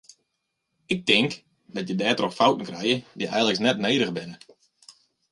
Ik tink dat je dêrtroch fouten krije dy eigenlik net nedich binne.